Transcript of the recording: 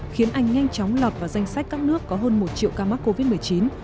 khiến anh nhanh chóng lọt vào danh sách các nước có hơn một triệu ca mắc covid một mươi chín